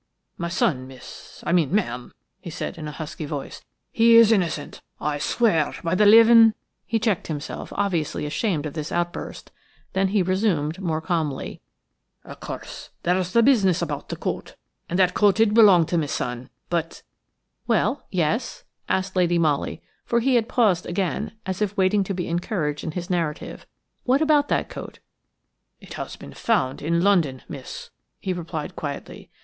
"My son, miss–I mean ma'am," he said in a husky voice. "He is innocent. I swear it by the living–" He checked himself, obviously ashamed of this outburst; then he resumed more calmly. "Of course, there's the business about the coat, and that coat did belong to my son, but–" "Well, yes?" asked Lady Molly, for he had paused again, as if waiting to be encouraged in his narrative, "what about that coat?" "It has been found in London, miss," he replied quietly.